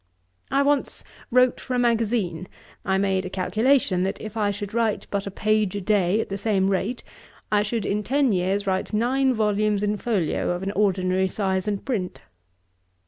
I once wrote for a magazine: I made a calculation, that if I should write but a page a day, at the same rate, I should, in ten years, write nine volumes in folio, of an ordinary size and print.'